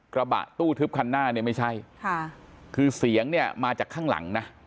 กระบะตู้ทึบคันหน้าเนี่ยไม่ใช่ค่ะคือเสียงเนี่ยมาจากข้างหลังนะ